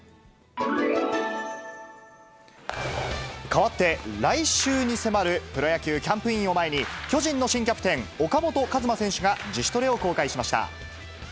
かわって、来週に迫るプロ野球キャンプインを前に、巨人の新キャプテン、岡本和真選手が自主トレを公開しました。